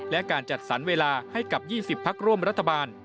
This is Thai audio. และการจัดสรรเวลาให้กับ๒๐พักร่วมรัฐบาล